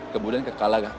kemudian kekalahan juga